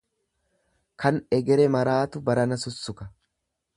Kan egere maraatu barana sussuka.